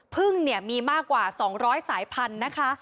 พึ่งเนี่ยมีมากกว่า๒๐๐สายพันธุ์นะคะ